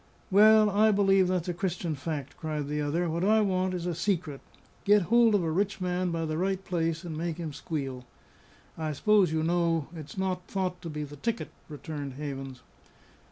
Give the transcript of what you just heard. "Well, I believe that's a Christian fact," cried the other. "What I want is a secret; get hold of a rich man by the right place, and make him squeal." "I suppose you know it's not thought to be the ticket," returned Havens.